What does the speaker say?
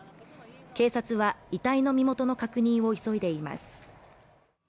警察は遺体の身元の確認を急いでいます。